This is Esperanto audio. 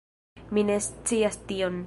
Mi ne scias tion